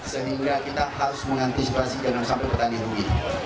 sehingga kita harus mengantisipasi jangan sampai petani rugi